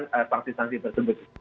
dan saksi saksi tersebut